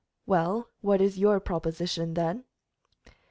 "Well, what is your proposition, then?"